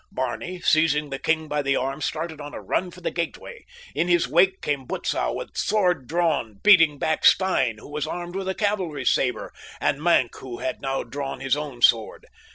Barney, seizing the king by the arm, started on a run for the gateway. In his wake came Butzow with a drawn sword beating back Stein, who was armed with a cavalry saber, and Maenck who had now drawn his own sword.